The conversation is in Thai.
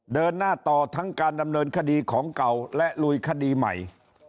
เดินหน้าต่อทั้งการดำเนินคดีของเก่าและลุยคดีใหม่